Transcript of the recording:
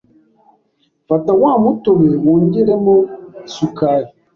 Fata wa mutobe wongeremo isukari,